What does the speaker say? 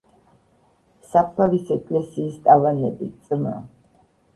საფლავის ეკლესიის ტალანები“, „წმ.